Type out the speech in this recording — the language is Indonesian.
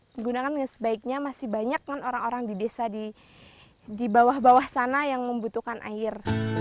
menggunakan sebaiknya masih banyak kan orang orang di desa di bawah bawah sana yang membutuhkan air